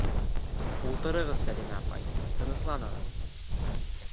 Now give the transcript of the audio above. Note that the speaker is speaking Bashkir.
— Ултырығыҙ, Сәлимә апай, тынысланығыҙ.